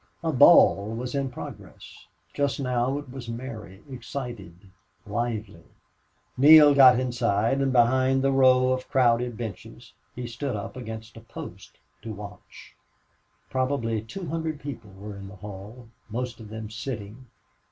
A ball was in progress. Just now it was merry, excited, lively. Neale got inside and behind the row of crowded benches; he stood up against a post to watch. Probably two hundred people were in the hall, most of them sitting.